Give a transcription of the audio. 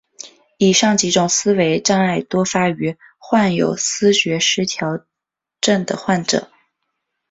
以上几种思维障碍多发于患有思觉失调症的患者。